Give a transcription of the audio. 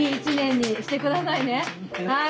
はい。